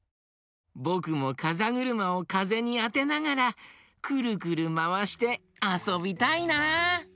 ぼくもかざぐるまをかぜにあてながらくるくるまわしてあそびたいな！